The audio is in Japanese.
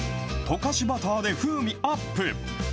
溶かしバターで風味アップ。